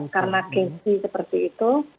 karena krisis seperti itu